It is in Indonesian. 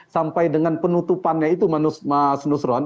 sampai dengan penutupannya itu mas nusron